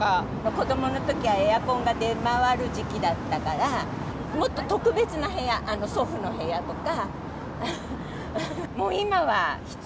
子どものときは、エアコンが出回る時期だったから、もっと特別な部屋、祖父の部屋とか。